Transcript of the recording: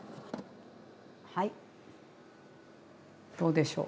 はいどうでしょう。